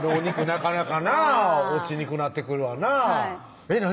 なかなかなぁ落ちにくなってくるわなぁ何？